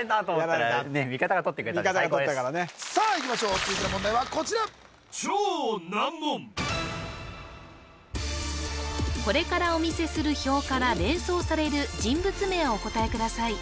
味方が取ったからねさあいきましょう続いての問題はこちらこれからお見せする表から連想される人物名をお答えください